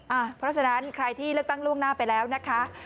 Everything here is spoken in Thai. เพราะฉะนั้นใครที่เลือกตั้งล่วงหน้าไปแล้วนะคะ